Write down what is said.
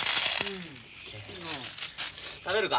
食べるか？